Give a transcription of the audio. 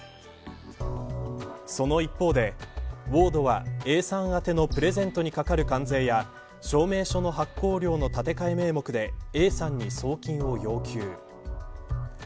その一方でウォードはＡさん宛てのプレゼントにかかる関税や証明書の発行手数料立て替え名目でＡさんに送金を要求。